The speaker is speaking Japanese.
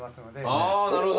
あぁなるほど。